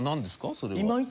それは。